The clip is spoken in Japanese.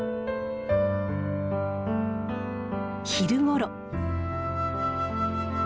昼ごろ。